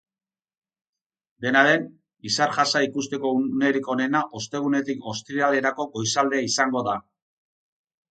Dena den, izar-jasa ikusteko unerik onena ostegunetik ostiralerako goizaldea izango da.